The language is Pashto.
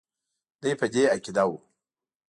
دی په دې عقیده وو.